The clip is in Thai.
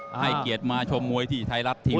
ให้เกียรติมาชมมวยที่ไทยรัฐทีวี